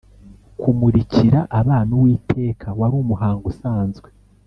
Kumurikira abana Uwiteka wari umuhango usanzwe